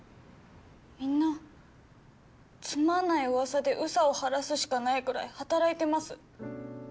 みんなつまんないうわさで憂さを晴らすしかないくらい働いてます